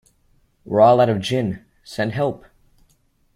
We’re all out of gin: send help!